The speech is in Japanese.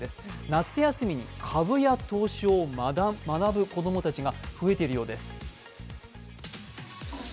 夏休みに株や投資を学ぶ子供たちが増えているようです。